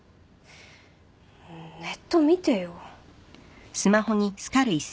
ネット見てよ。